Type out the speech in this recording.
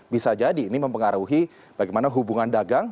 bisa jadi ini mempengaruhi bagaimana hubungan dagang